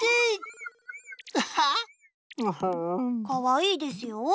かわいいですよ。